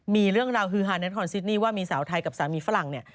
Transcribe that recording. มีเรื่องราวฮือฮาในคอนซิดนี่ว่ามีสาวไทยกับสามีฝรั่งเนี่ย